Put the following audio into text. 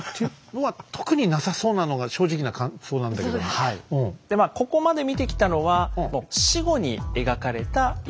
でまあここまで見てきたのは死後に描かれた家康の姿。